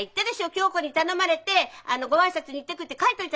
響子に頼まれてご挨拶に行ってくるって書いといたでしょう！